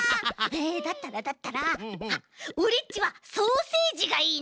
だったらだったらあっオレっちはソーセージがいいな。